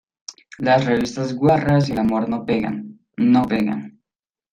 las revistas guarras y el amor no pegan. ¡ no pegan!